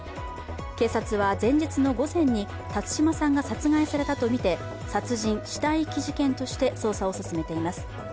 警察は前日の午前に辰島さんが殺害されたとみて殺人・死体遺棄事件として捜査を進めています。